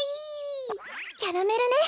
キャラメルね。